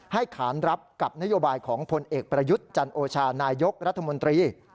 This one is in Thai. ขานรับกับนโยบายของพลเอกประยุทธ์จันโอชานายกรัฐมนตรี